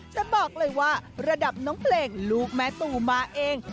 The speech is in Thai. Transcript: จะบอกเลยว่าระดับน้องเพลงลูกแม่ตูมาเอง